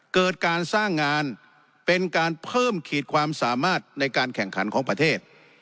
เกิดการสร้างงานเป็นการเพิ่มขีดความสามารถในการแข่งขันของประเทศ